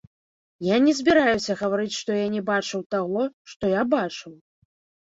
Я не збіраюся гаварыць, што я не бачыў таго, што я бачыў.